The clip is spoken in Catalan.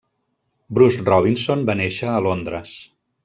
Bruce Robinson va néixer a Londres.